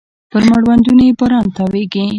پر مړوندونو يې باران تاویږې